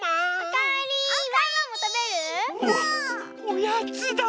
おやつだ！